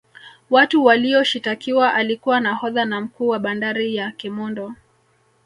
watu Waliyoshitakiwa alikuwa nahodha na mkuu wa bandari ya kemondo